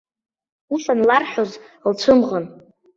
Ус анларҳәоз лцәымӷын.